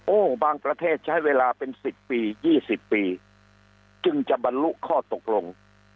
โอ้บางประเทศใช้เวลาเป็นสิบปียี่สิบปีจึงจะบรรลุข้อตกลง